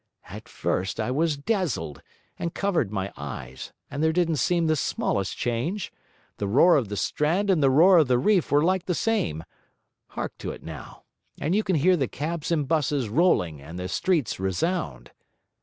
At first I was dazzled, and covered my eyes, and there didn't seem the smallest change; the roar of the Strand and the roar of the reef were like the same: hark to it now, and you can hear the cabs and buses rolling and the streets resound!